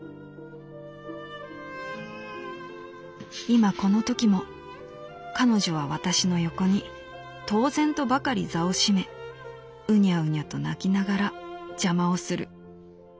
「今このときも彼女は私の横に当然とばかり座を占めうにゃうにゃと鳴きながら邪魔をする。